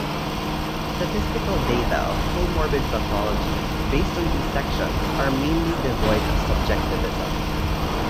Statistical data of comorbid pathology, based on these sections, are mainly devoid of subjectivism.